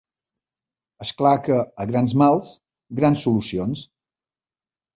És clar que a grans mals, grans solucions.